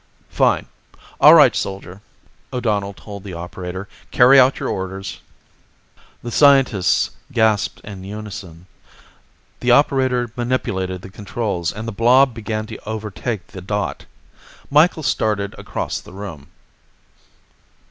"Fine. All right, Soldier," O'Donnell told the operator. "Carry out your orders." The scientists gasped in unison. The operator manipulated the controls and the blob began to overtake the dot. Micheals started across the room.